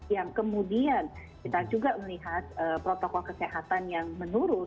yang kemudian kita juga melihat protokol kesehatan yang menurun